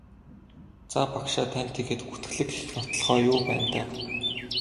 За за багшаа танд тэгээд гүтгэлэг гэх нотолгоо юу байна даа?